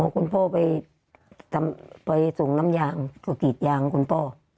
คุณพ่อไปส่งน้ำยางก็กรีดยางคุณพ่อ